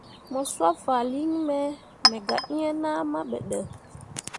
Mo sob fahlii nyi me ka me ga eẽ nahma be ɗə.